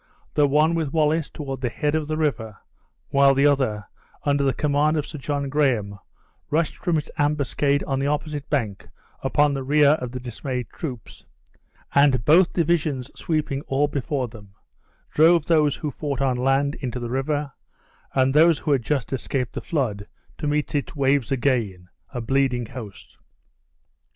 The one with Wallace toward the head of the river, while the other, under the command of Sir John Graham, rushed from its ambuscade on the opposite bank upon the rear of the dismayed troops; and both divisions sweeping all before them, drove those who fought on land into the river, and those who had just escaped the flood, to meet its waves again, a bleeding host.